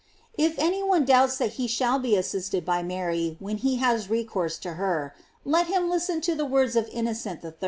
§ If any one doubts that he shall be assisted by Mary when he has recourse to her, let him listen to the words of Innocent III.